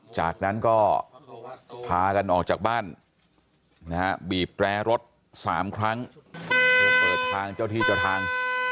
จากนั้นก็พากันออกจากบ้านนะฮะบีบแร้รถ๓ครั้งเพื่อเปิดทางเจ้าที่เจ้าทาง